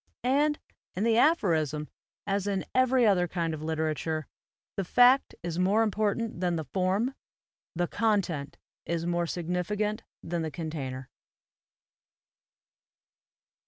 And in the aphorism, as in every other kind of literature, the fact is more important than the form, the content is more significant than the container.